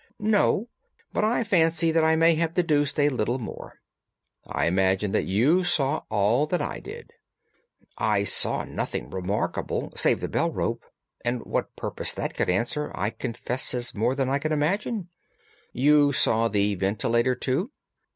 "No, but I fancy that I may have deduced a little more. I imagine that you saw all that I did." "I saw nothing remarkable save the bell rope, and what purpose that could answer I confess is more than I can imagine." "You saw the ventilator, too?"